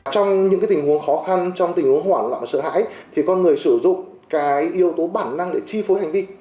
trong những tình huống khó khăn trong tình huống hoảng loạn và sợ hãi thì con người sử dụng cái yếu tố bản năng để chi phối hành vi